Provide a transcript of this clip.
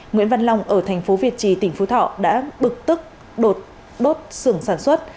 nguyễn văn long ở thành phố việt trì tỉnh phú thọ đã bực tức đốt xưởng sản xuất